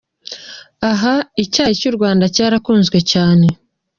Aha icyayi cy’u Rwanda cyarakunzwe cyane.